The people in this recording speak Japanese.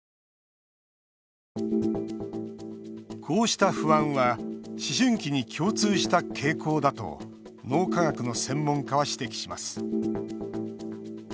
こうした不安は思春期に共通した傾向だと脳科学の専門家は指摘します。